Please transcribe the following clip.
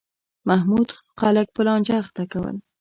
محمود خلک په لانجه اخته کول.